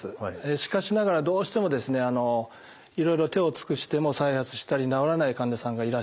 しかしながらどうしてもですねいろいろ手を尽くしても再発したり治らない患者さんがいらっしゃいます。